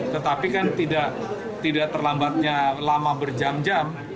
tetapi kan tidak terlambatnya lama berjam jam